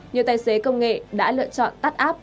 nhiều tài xế công nghệ đã lựa chọn tắt app